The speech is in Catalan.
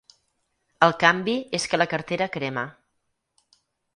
El canvi és que la cartera crema.